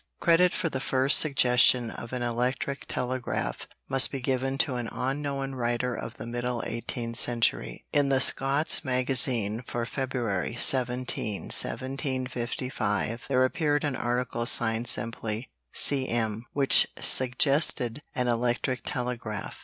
Credit for the first suggestion of an electric telegraph must be given to an unknown writer of the middle eighteenth century. In the Scots Magazine for February 17, 1755, there appeared an article signed simply, "C.M.," which suggested an electric telegraph.